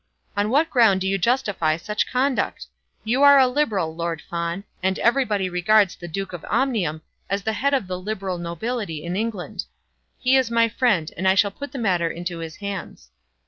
On what ground do you justify such conduct? You are a Liberal, Lord Fawn; and everybody regards the Duke of Omnium as the head of the Liberal nobility in England. He is my friend, and I shall put the matter into his hands."